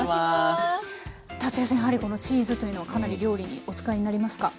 やはりチーズというのはかなり料理にお使いになりますか？